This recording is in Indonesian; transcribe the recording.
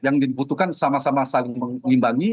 yang dibutuhkan sama sama saling mengimbangi